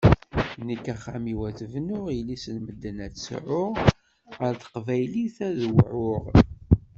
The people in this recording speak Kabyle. Nekk axxam-iw ad t-bnuɣ, yelli-s n medden ad tt-sɛuɣ, ɣer teqbaylit ad wɛuɣ.